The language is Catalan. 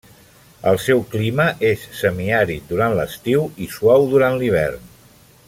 El seu clima és semiàrid durant l'estiu i suau durant l'hivern.